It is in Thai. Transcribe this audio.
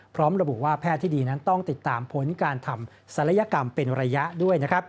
พร้อมระบุว่าแพทย์ที่ดีนั้นต้องติดตามผลการทำศัลยกรรมเป็นระยะด้วย